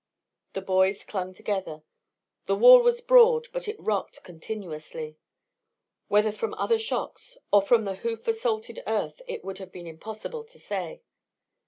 The boys clung together. The wall was broad, but it rocked continuously, whether from other shocks or from the hoof assaulted earth it would have been impossible to say.